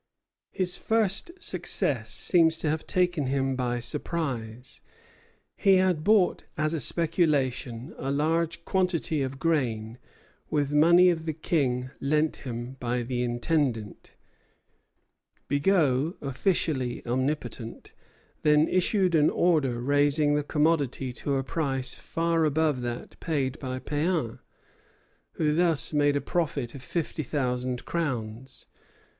His first success seems to have taken him by surprise. He had bought as a speculation a large quantity of grain, with money of the King lent him by the Intendant. Bigot, officially omnipotent, then issued an order raising the commodity to a price far above that paid by Péan, who thus made a profit of fifty thousand crowns.